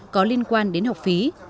có liên quan đến học phí